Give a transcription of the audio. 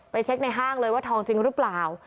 เช็คในห้างเลยว่าทองจริงหรือเปล่า